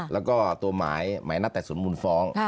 แล้วก็ตัวหมายหมายนัดแต่ศูนย์มูลฟ้อง